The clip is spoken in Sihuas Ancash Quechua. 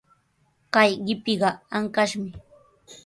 Kay qipiqa ankashmi.